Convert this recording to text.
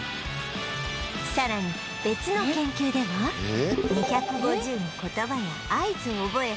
さらに別の研究では２５０の言葉や合図を覚え